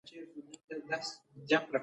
چې تاسې سره د خېښۍ وياړ ترلاسه کو.